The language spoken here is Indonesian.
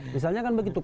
misalnya kan begitu